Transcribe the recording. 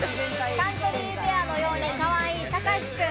カントリーベアのようにかわいい隆志君。